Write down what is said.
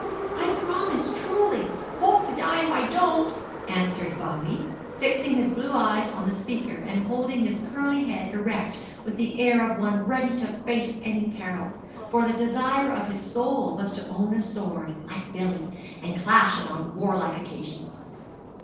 "I promise truly; hope to die if I don't!" answered Bobby, fixing his blue eyes on the speaker, and holding his curly head erect with the air of one ready to face any peril; for the desire of his soul was to own a sword, like Billy, and clash it on warlike occasions.